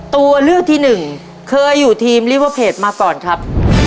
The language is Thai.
ตัวเลือกที่หนึ่งเคยอยู่ทีมลิเวอร์เพจมาก่อนครับ